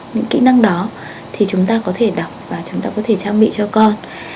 những kỹ năng đó thì chúng ta có thể đọc và chúng ta có thể trang bị cho con